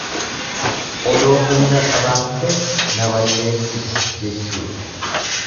Odoo humna qabaattee na balleessitejechuudha.